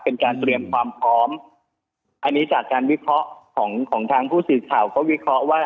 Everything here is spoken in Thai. เป็นการเตรียมความพร้อมอันนี้จากการวิเคราะห์ของของทางผู้สื่อข่าวก็วิเคราะห์ว่า